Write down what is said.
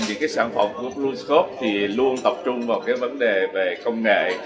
những cái sản phẩm của blue scott thì luôn tập trung vào cái vấn đề về công nghệ